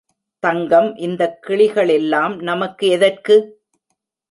தங்கம், இந்தக் கிளிகளெல்லாம் நமக்கு எதற்கு?